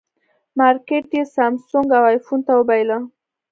مارکېټ یې سامسونګ او ایفون ته وبایله.